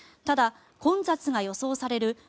ただ、混雑が予想される